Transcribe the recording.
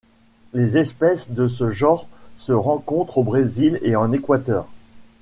Les espèces de ce genre se rencontrent au Brésil et en Équateur.